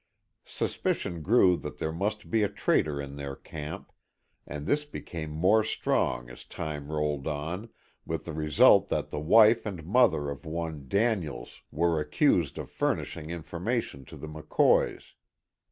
Suspicion grew that there must be a traitor in their camp, and this became more strong as time rolled on, with the result that the wife and mother of one Daniels were accused of furnishing information to the McCoys.